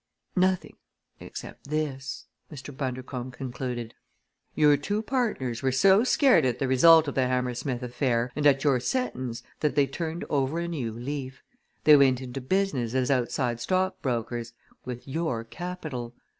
"Nothing, except this," Mr. Bundercombe concluded: "Your two partners were so scared at the result of the Hammersmith affair and at your sentence that they turned over a new leaf. They went into business as outside stockbrokers with your capital.